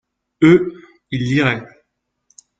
eux, ils liraient.